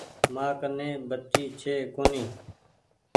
مآن ڪني بتي ڇي ڪونيٚ۔